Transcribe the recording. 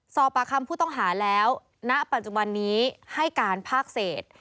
สอบปากคำผู้ต้องหาแล้วณปัจจุบันนี้ให้การภาคเศษ